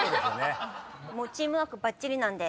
もうチームワークばっちりなんで。